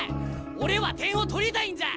俺は点を取りたいんじゃ！